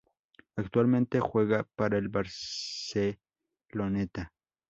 Actualmente juega para el Barceloneta.